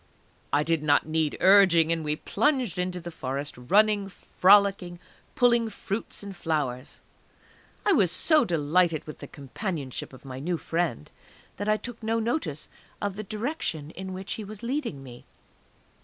I did not need urging, and we plunged into the Forest, running, frolicking, pulling fruits and flowers. I was so delighted with the companionship of my new friend that I took no notice of the direction in which he was leading me.